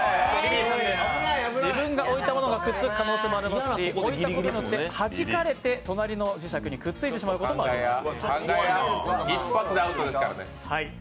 自分が置いたものもくっつくこともありますし、置いたことによってはじかれて、隣の侍石にくっついてしまうこともあります。